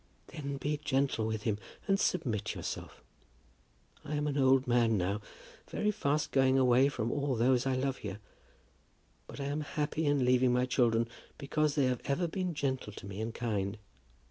"Then be gentle with him, and submit yourself. I am an old man now, very fast going away from all those I love here. But I am happy in leaving my children because they have ever been gentle to me and kind.